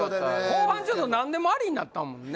後半ちょっと何でもありになったもんね